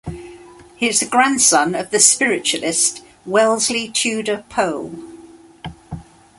He is the grandson of the spiritualist, Wellesley Tudor Pole.